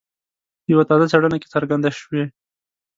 په یوه تازه څېړنه کې څرګنده شوي.